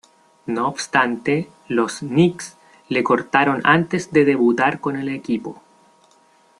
No obstante, los Knicks le cortaron antes de debutar con el equipo.